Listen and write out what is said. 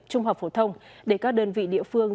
trung học phổ thông để các đơn vị địa phương